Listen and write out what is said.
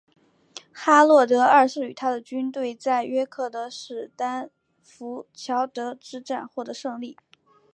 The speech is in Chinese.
哈洛德二世与他的军队在约克的史丹福德桥之战获得胜利。